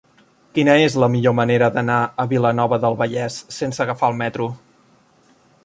Quina és la millor manera d'anar a Vilanova del Vallès sense agafar el metro?